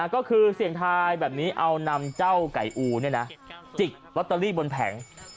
ก็คือเสี่ยงทายแบบนี้เอานำเจ้าไก่อูจิกลอตเตอรี่บนแผง